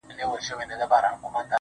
پورته بیت کې حمزه یوازې